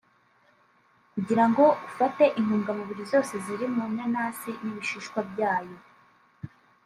Kugira ngo ufate intungamubiri zose ziri mu nanasi n’ibishishwa byayo